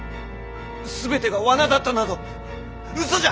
全てが罠だったなど嘘じゃ！